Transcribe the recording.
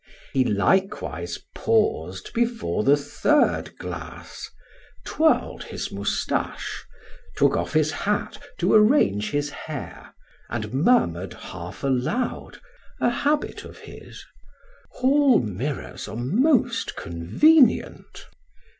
He likewise paused before the third glass, twirled his mustache, took off his hat to arrange his hair, and murmured half aloud, a habit of his: "Hall mirrors are most convenient."